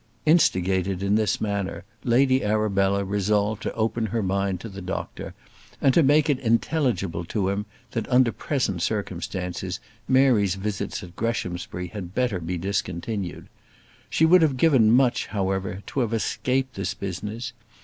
Instigated in this manner, Lady Arabella resolved to open her mind to the doctor, and to make it intelligible to him that, under present circumstances, Mary's visits at Greshamsbury had better be discontinued. She would have given much, however, to have escaped this business.